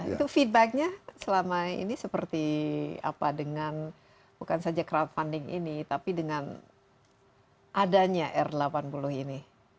itu feedbacknya selama ini seperti apa dengan bukan saja crowdfunding ini tapi dengan adanya r delapan puluh ini